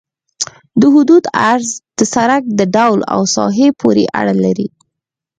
د حدودو عرض د سرک د ډول او ساحې پورې اړه لري